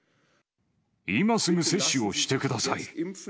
今すぐ接種をしてください。